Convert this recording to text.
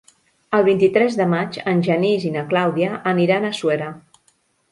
El vint-i-tres de maig en Genís i na Clàudia aniran a Suera.